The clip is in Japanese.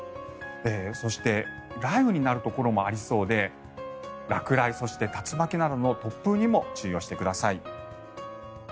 そして雷雨になるところもありそうで落雷そして竜巻などの突風にも注意をしてください。